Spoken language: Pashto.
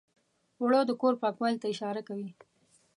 اوړه د کور پاکوالي ته اشاره کوي